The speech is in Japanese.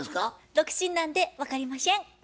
独身なんで分かりましぇん。